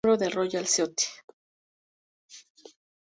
Fue Miembro de la Royal Society.